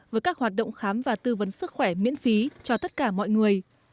với các hoạt động khám và tư vấn sức khỏe miễn phí cho tất cả mọi người